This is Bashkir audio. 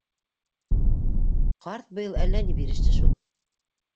— Ҡарт быйыл әллә ни биреште шул.